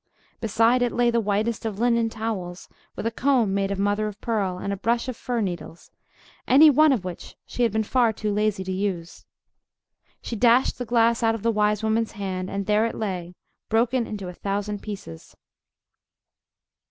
Beside it lay the whitest of linen towels, with a comb made of mother of pearl, and a brush of fir needles, any one of which she had been far too lazy to use. She dashed the glass out of the wise woman's hand, and there it lay, broken into a thousand pieces!